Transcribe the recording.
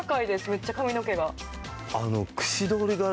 めっちゃ髪の毛が。